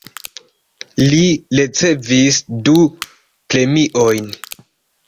Li ricevis du premiojn.